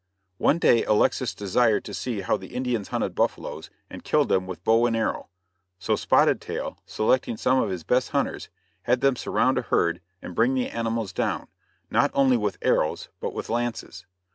One day Alexis desired to see how the Indians hunted buffaloes and killed them with bow and arrow; so Spotted Tail, selecting some of his best hunters, had them surround a herd, and bring the animals down, not only with arrows, but with lances.